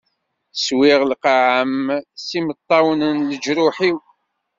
Swiɣ lqaɛa-m s yimeṭṭawen n leǧruḥ-iw.